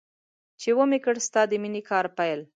چې مې وکړ ستا د مینې کار پیل.